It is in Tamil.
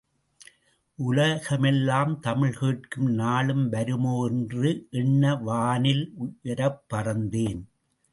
உலகமெல்லாம் தமிழ் கேட்கும் நாளும் வருமோ என்று எண்ண வானில் உயரப் பறந்தேன்.